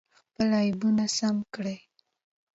خپل عیبونه سم کړئ.